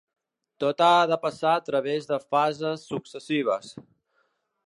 Tot ha de passar a través de fases successives.